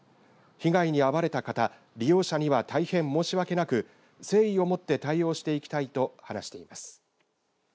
被害に遭われた方、利用者には大変申し訳なく誠意を持って対応していきたいと話しています。